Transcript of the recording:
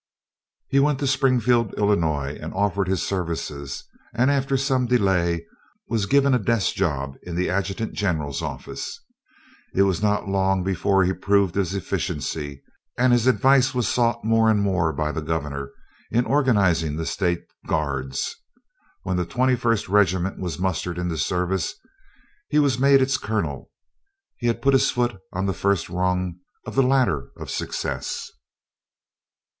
He went to Springfield, Illinois, and offered his services, and after some delay was given a desk in the adjutant general's office. It was not long before he proved his efficiency, and his advice was sought more and more by the Governor, in organizing the State Guards. When the 21st regiment was mustered into service, he was made its colonel. He had put his foot on the first rung of the ladder of success.